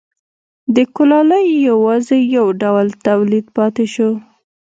د کولالۍ یوازې یو ډول تولید پاتې شو.